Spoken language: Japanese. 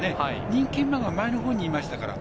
人気馬が前のほうにいましたから。